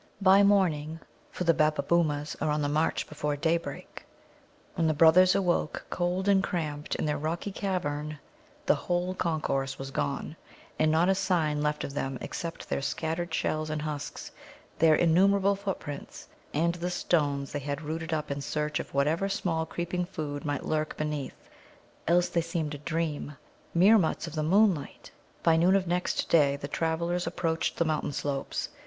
By morning (for the Babbabōōmas are on the march before daybreak), when the brothers awoke, cold and cramped, in their rocky cavern, the whole concourse was gone, and not a sign left of them except their scattered shells and husks, their innumerable footprints, and the stones they had rooted up in search of whatever small creeping food might lurk beneath. Else they seemed a dream Meermuts of the moonlight! By noon of next day the travellers approached the mountain slopes.